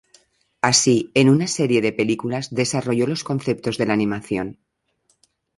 Así, en una serie de películas, desarrolló los conceptos de la animación.